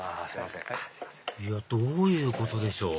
いやどういうことでしょう？